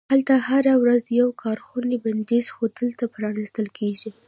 هلته هره ورځ یوه کارخونه بندیږي، خو دلته پرانیستل کیږي